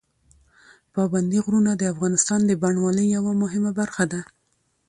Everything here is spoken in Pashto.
پابندي غرونه د افغانستان د بڼوالۍ یوه مهمه برخه ده.